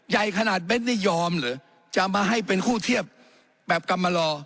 ใหญ่ขนาดเบ้นนี่ยอมเหรอจะมาให้เป็นคู่เทียบแบบกรรมลอ